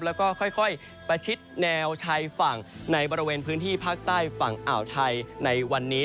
แล้วก็ค่อยประชิดแนวชายฝั่งในบริเวณพื้นที่ภาคใต้ฝั่งอ่าวไทยในวันนี้